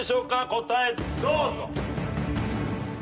答えどうぞ。